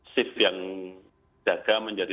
shift yang jaga menjadi